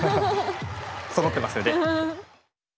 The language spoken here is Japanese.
そろってますよね。